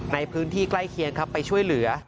ในพื้นที่ใกล้เคียงครับไปช่วยเหลือ